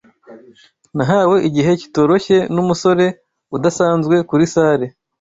Nahawe igihe kitoroshye numusore udasanzwe kuri salle